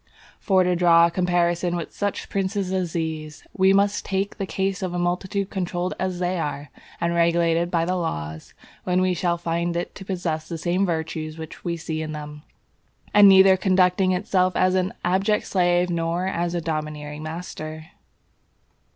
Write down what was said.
For to draw a comparison with such princes as these, we must take the case of a multitude controlled as they are, and regulated by the laws, when we shall find it to possess the same virtues which we see in them, and neither conducting itself as an abject slave nor as a domineering master.